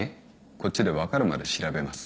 こっちで分かるまで調べます。